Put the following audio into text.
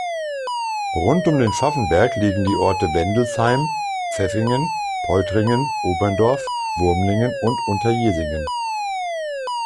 Rund um den Pfaffenberg liegen die Orte Wendelsheim, Pfäffingen, Poltringen, Oberndorf, Wurmlingen und Unterjesingen.